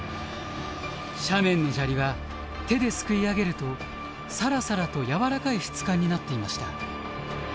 斜面の砂利は手ですくい上げるとサラサラと軟らかい質感になっていました。